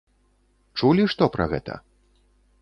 Чулі што пра гэта?